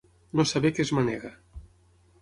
No saber què es manega.